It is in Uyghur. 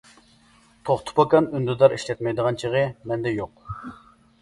توختى پوكان ئۈندىدار ئىشلەتمەيدىغان چېغى مەندە يوق.